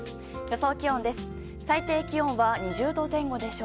予想気温です。